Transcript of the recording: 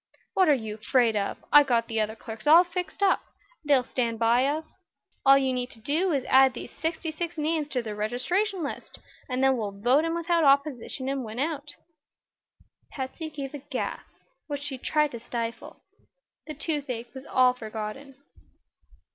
"What are you 'fraid of? I've got the other clerks all fixed, and they'll stand by us. All you need do is to add these sixty six names to the registration list, and then we'll vote 'em without opposition and win out." Patsy gave a gasp, which she tried to stifle. The toothache was all forgotten.